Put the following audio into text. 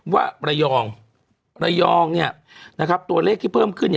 ว่าระยองระยองตัวเลขที่เพิ่มขึ้น